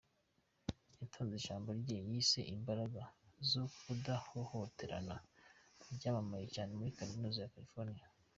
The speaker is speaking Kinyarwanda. yatanze ijambo rye yise Imbaraga zo kudahohoterana ryamamaye cyane muri Kaminuza ya California.